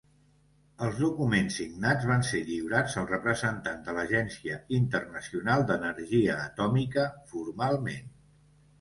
Els documents signats van ser lliurats al representant de l'Agència Internacional d'Energia Atòmica formalment.